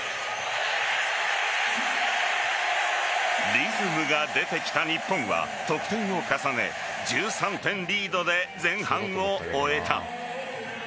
リズムが出てきた日本は得点を重ね１３点リードで前半を終えた。